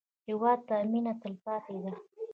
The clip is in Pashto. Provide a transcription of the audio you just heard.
هېواد ته مېنه تلپاتې ده